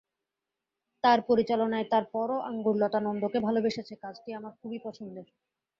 তাঁর পরিচালনায় তার পরও আঙ্গুরলতা নন্দকে ভালোবেসেছে কাজটি আমার খুবই পছন্দের।